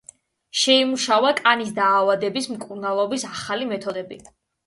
შეიმუშავა კანის დაავადებების მკურნალობის ახალი მეთოდები.